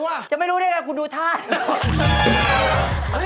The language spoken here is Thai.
ยังไม่รู้ที่ไงตรงนิดนึงครูดูธ่าน